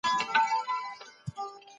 خبریالانو ریښتیني خبرونه خپرول.